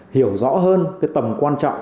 hiểu rõ hơn tầm quan trọng